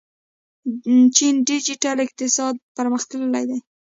چین ډیجیټل اقتصاد پرمختللی دی.